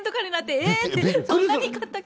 えっ？